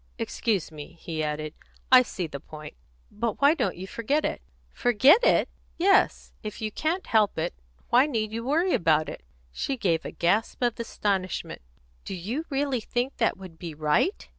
"Excuse me," he added. "I see the point. But why don't you forget it?" "Forget it!" "Yes. If you can't help it, why need you worry about it?" She gave a kind of gasp of astonishment. "Do you really think that would be right?"